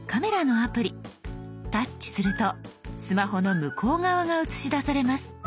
タッチするとスマホの向こう側が写し出されます。